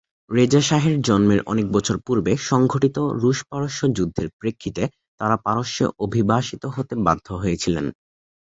রেজা শাহের জন্মের অনেক বছর পূর্বে সংঘটিত রুশ-পারস্য যুদ্ধের প্রেক্ষিতে তারা পারস্যে অভিবাসিত হতে বাধ্য হয়েছিলেন।